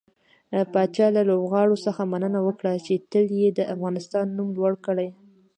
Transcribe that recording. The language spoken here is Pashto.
پاچا له لوبغاړو څخه مننه وکړه چې تل يې د افغانستان نوم لوړ کړى.